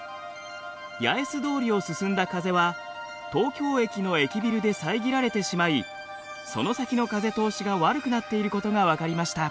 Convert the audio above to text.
八重洲通りを進んだ風は東京駅の駅ビルで遮られてしまいその先の風通しが悪くなっていることが分かりました。